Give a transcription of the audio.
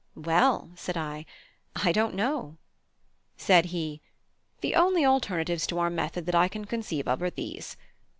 "Well," said I, "I don't know." Said he: "The only alternatives to our method that I can conceive of are these.